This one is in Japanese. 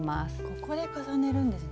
ここで重ねるんですね。